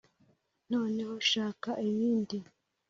noneho shaka ibindi.